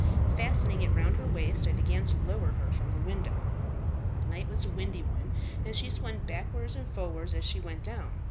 Fastening it round her waist, I began to lower her from the window. "The night was a windy one, and she swung backwards and forwards as she went down.